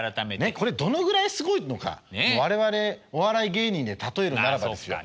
これどのぐらいすごいのか我々お笑い芸人で例えるならばですよ。